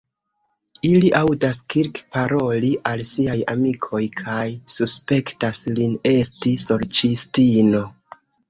Ili aŭdas Kirk paroli al siaj amikoj kaj suspektas lin esti sorĉistino.